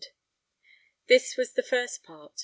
This was the first part.